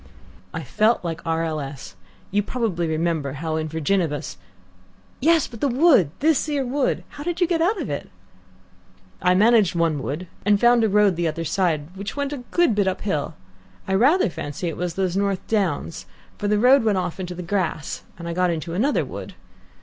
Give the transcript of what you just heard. "I felt like R. L. S. You probably remember how in VIRGINIBUS " "Yes, but the wood. This 'ere wood. How did you get out of it?" "I managed one wood, and found a road the other side which went a good bit uphill. I rather fancy it was those North Downs, for the road went off into grass, and I got into another wood.